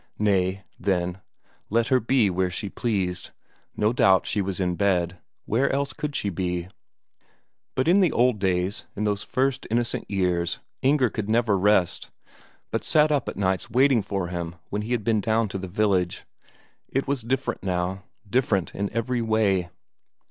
Nay, then, let her be where she pleased no doubt she was in bed where else should she be? But in the old days, in those first innocent years, Inger could never rest, but sat up at nights waiting for him when he had been down to the village. It was different now, different in every way.